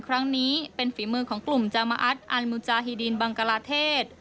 ครั้งนี้เป็นฝีมือของกลุ่มจามาอัตอันมูจาฮิดินบังกลาเทศ